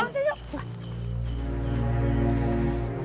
belok belok belok aja yuk